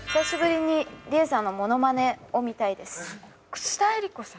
楠田枝里子さん。